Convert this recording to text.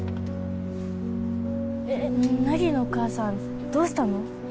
え凪のお母さんどうしたの？